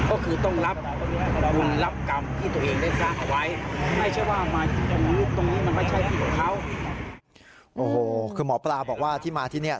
โอโหคือหมอปลาบอกว่าที่มาที่เนี่ย